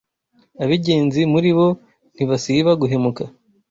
Ab, ingenzi muri bo ntibasiba guhemuka